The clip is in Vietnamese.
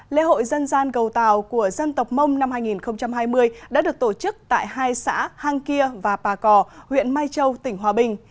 lễ hội dân gian cầu tàu của dân tộc mông năm hai nghìn hai mươi đã được tổ chức tại hai xã hang kia và pà cò huyện mai châu tỉnh hòa bình